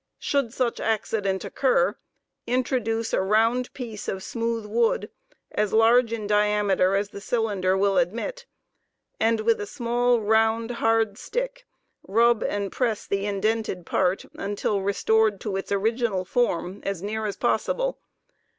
Should such accident occur, introduce a round piece of smooth wood, as large in * diameter as the cylinder will admit, and with a small, round, hard stick rub and press the indented part until restored to its original form as near as possible.